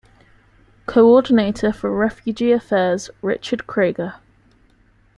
Coordinator for Refugee Affairs, Richard Krieger.